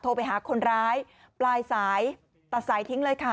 ไปหาคนร้ายปลายสายตัดสายทิ้งเลยค่ะ